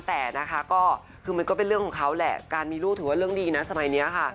แต่นะคะก็คือมันก็เป็นเรื่องของเขาแหละการมีลูกถือว่าเรื่องดีนะสมัยนี้ค่ะ